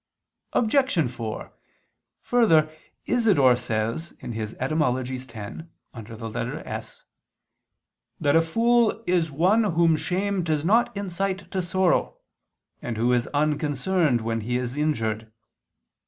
Obj. 4: Further, Isidore says (Etym. x, under the letter S) that "a fool is one whom shame does not incite to sorrow, and who is unconcerned when he is injured."